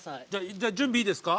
じゃあ準備いいですか？